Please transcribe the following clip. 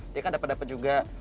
dia kan dapet dapet juga